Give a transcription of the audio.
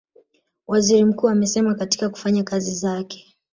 Waziri Mkuu amesema katika kufanya kazi zake